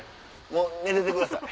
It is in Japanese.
もう寝ててください。